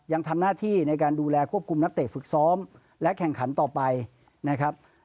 ยังทำหน้าที่ในการดูแลควบคุมนักเตะฝึกซ้อมและแข่งขันต่อไปนะครับ